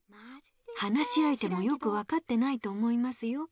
話しあいてもよくわかってないと思いますよ。